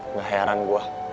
nggak heran gue